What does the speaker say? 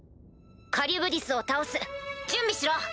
カリュブディスを倒す準備しろ！